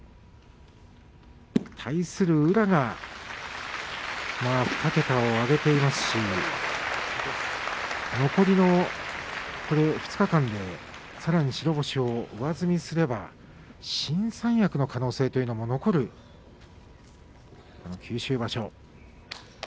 対する宇良が２桁を挙げていますし残りの２日間でさらに白星を上積みすれば新三役の可能性も残る九州場所。